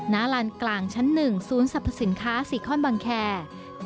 ลานกลางชั้น๑ศูนย์สรรพสินค้าซีคอนบังแคร์